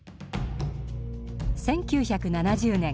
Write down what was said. １９７０年。